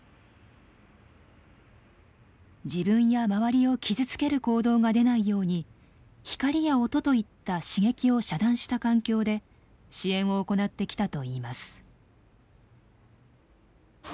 自分や周りを傷つける行動が出ないように光や音といった刺激を遮断した環境で支援を行ってきたといいます。